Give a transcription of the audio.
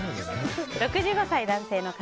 ６５歳、男性の方。